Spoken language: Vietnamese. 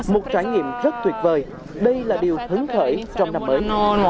một trải nghiệm rất tuyệt vời đây là điều hứng khởi trong năm mới